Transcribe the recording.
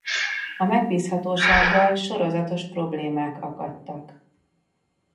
A megbízhatósággal sorozatos problémák akadtak.